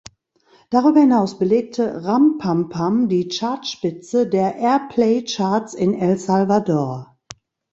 Darüber hinaus belegte "Ram pam pam" die Chartspitze der Airplaycharts in El Salvador.